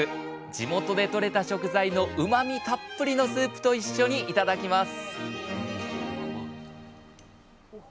地元でとれた食材のうまみたっぷりのスープと一緒に頂きます！